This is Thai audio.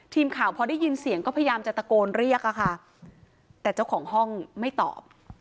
ทีมข่าวพอได้ยินเสียงก็พยายามจะตะโกนเรียกอะค่ะแต่เจ้าของห้องไม่ตอบ